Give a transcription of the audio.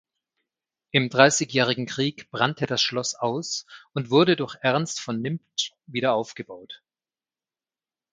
Im Dreißigjährigen Krieg brannte das Schloss aus und wurde durch Ernst von Nimptsch wiederaufgebaut.